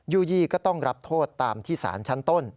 ู่ยี่ก็ต้องรับโทษตามที่สารชั้นต้น